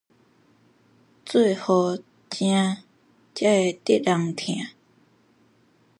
坐予正，才會得人疼